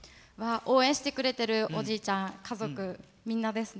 応援してくれてるおじいちゃん、家族みんなですね。